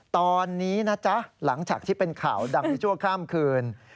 ตอนนี้นะจ๊ะหลังจากที่เป็นข่าวดังในชั่วข้ามคืน